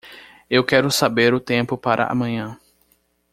Eu quero saber o tempo para amanhã.